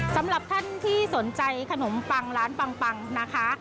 สำหรับท่านที่สนใจขนมปังร้านปังนะคะ